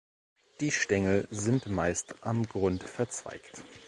Die Stängel sind meist am Grund verzweigt.